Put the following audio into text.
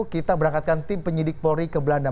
kita berangkatkan tim penyidik polri ke belanda